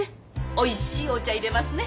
おいしいお茶いれますね。